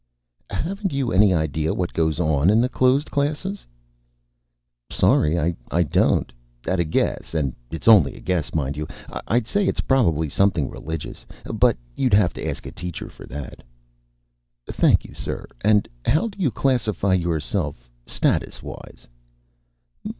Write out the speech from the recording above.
"Haven't you any idea what goes on in the closed classes?" "Sorry, I don't. At a guess and it's only a guess, mind you I'd say it's probably something religious. But you'd have to ask a teacher for that." "Thank you, sir. And how do you classify yourself statuswise?"